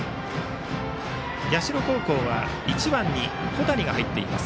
社高校は１番に小谷が入っています。